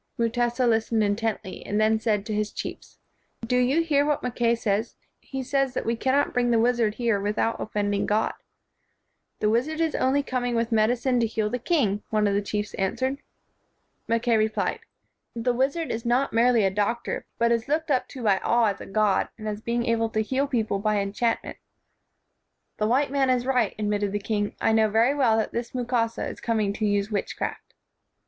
Mutesa listened intently, and then said to his chiefs, "Do you hear what Mackay says? He says that we cannot bring the wizard here without offending God." 1 ' The wizard is only coming with medicine to heal the king," one of the chiefs an swered. Mackay replied, "The wizard is not 125 WHITE MAN OF WORK merely a doctor, but is looked up to by all as a god, and as being able to heal people by enchantment." "The white man is right," admitted the king. "I know very well that this Mukasa is coming to use witchcraft."